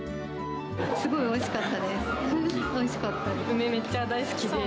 すごいおいしかったです。